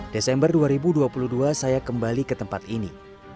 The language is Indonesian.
desember dua ribu dua puluh dua saya kembali ke tempat ini